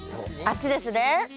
あっちですね。